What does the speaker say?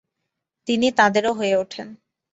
তিনি তাদেরও হয়ে ওঠেন।